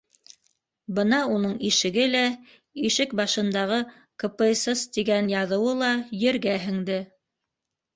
Бына уның ишеге лә, ишек башындағы «КПСС» тигән яҙыуы ла ергә һеңде.